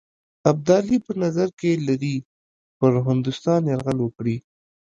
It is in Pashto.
ابدالي په نظر کې لري پر هندوستان یرغل وکړي.